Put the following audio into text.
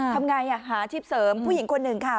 ทำไงหาอาชีพเสริมผู้หญิงคนหนึ่งค่ะ